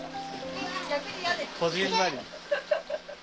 ハハハ！